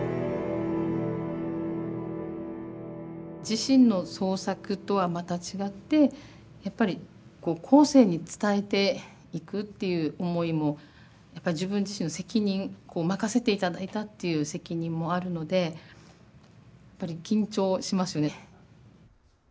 自身の創作とはまた違ってやっぱり後世に伝えていくっていう思いもやっぱ自分自身の責任任せて頂いたっていう責任もあるのでやっぱり緊張しますね。